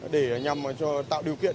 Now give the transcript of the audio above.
để nhằm tạo điều kiện